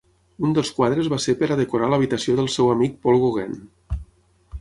Un dels quadres va ser per a decorar l'habitació del seu amic Paul Gauguin.